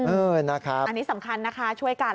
อันนี้สำคัญนะคะช่วยกัน